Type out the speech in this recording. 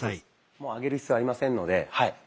もう上げる必要ありませんので。